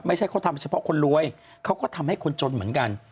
ไม่ใช่เขาทำเฉพาะคนรวยเขาก็ทำให้คนจนเหมือนกัน